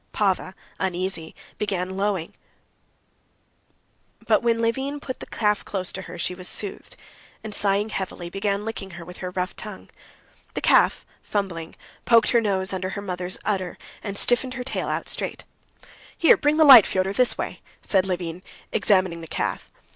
Pava, uneasy, began lowing, but when Levin put the calf close to her she was soothed, and, sighing heavily, began licking her with her rough tongue. The calf, fumbling, poked her nose under her mother's udder, and stiffened her tail out straight. "Here, bring the light, Fyodor, this way," said Levin, examining the calf.